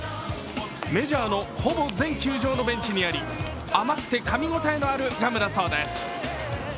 メジャーのほぼ全球場のベンチにあり甘くてかみ応えのあるガムだそうです。